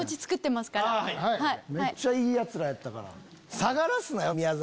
めっちゃいい奴らやったから。